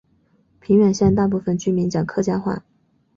平远县大部分居民讲客家话。